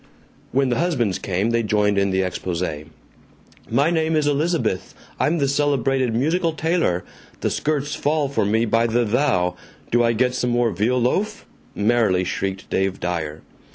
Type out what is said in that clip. When the husbands came they joined in the expose. "My name is Elizabeth. I'm the celebrated musical tailor. The skirts fall for me by the thou. Do I get some more veal loaf?" merrily shrieked Dave Dyer.